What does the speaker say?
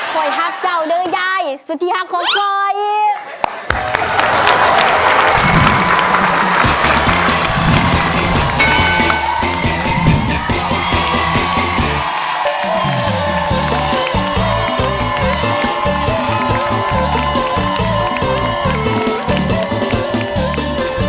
ข่อยฮักเจ้าด้วยยายสุธีฮักของขออีก